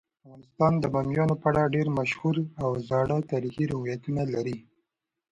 افغانستان د بامیان په اړه ډیر مشهور او زاړه تاریخی روایتونه لري.